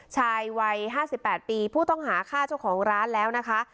ชายวัยห้าสิบแปดปีผู้ต้องหาค่าเจ้าของร้านแล้วนะคะ